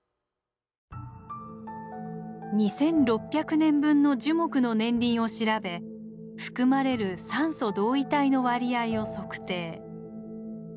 ２，６００年分の樹木の年輪を調べ含まれる酸素同位体の割合を測定。